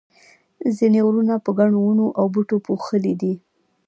ځینې غرونه په ګڼو ونو او بوټو پوښلي دي.